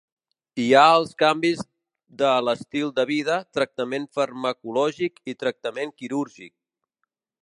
Hi ha els canvis de l'estil de vida, tractament farmacològic i tractament quirúrgic.